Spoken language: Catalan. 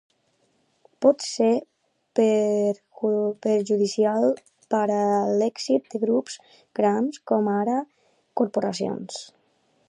Pot ser perjudicial per a l'èxit de grups grans com ara corporacions.